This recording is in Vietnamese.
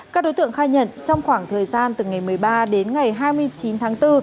các đối tượng khai nhận trong khoảng thời gian từ ngày một mươi ba đến ngày hai mươi chín tháng bốn